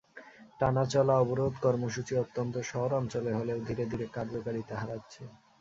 টানা চলা অবরোধ কর্মসূচি অন্তত শহরাঞ্চলে হলেও ধীরে ধীরে কার্যকারিতা হারাচ্ছে।